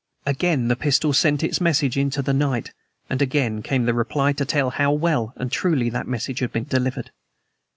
Again the pistol sent its message into the night, and again came the reply to tell how well and truly that message had been delivered.